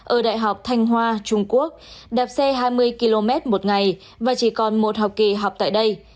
ở đại học thanh hoa trung quốc đạp xe hai mươi km một ngày và chỉ còn một học kỳ học tại đây